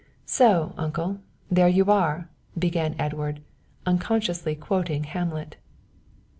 "So, uncle, there you are," began Edward, unconsciously quoting Hamlet.